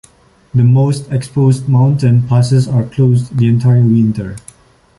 The most exposed mountain passes are closed the entire winter.